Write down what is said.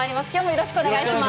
よろしくお願いします。